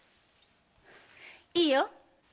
いいよ！